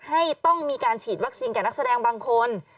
ให้ต้องมีการฉีดวัคซีนกับนักแสดงบางคน